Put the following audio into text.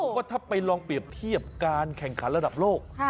ก็ถ้าไปลองเปรียบเทียบการแข่งขันระดับโลก